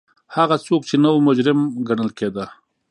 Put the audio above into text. هغه څوک چې نه و مجرم ګڼل کېده.